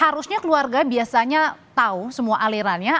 harusnya keluarga biasanya tahu semua alirannya